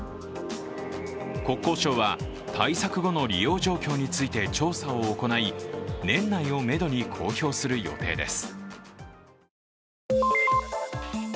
国交省は対策後の利用状況について調査を行い、年内をめどに公表する予定です。